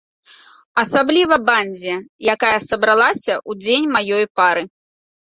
Асабліва бандзе, якая сабралася ў дзень маёй пары.